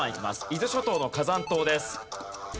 伊豆諸島の火山島です。